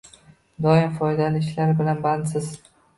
Doim foydali ishlar bilan bandsiz.